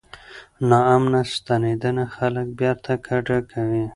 ناامنه ستنېدنه خلک بیرته کډه کوي.